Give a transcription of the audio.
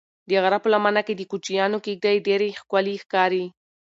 د غره په لمنه کې د کوچیانو کيږدۍ ډېرې ښکلي ښکاري.